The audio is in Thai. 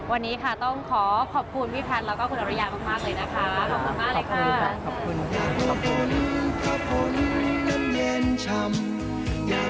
วันนี้ค่ะต้องขอขอบคุณพี่พันธ์แล้วก็คุณอริยามากเลยนะคะ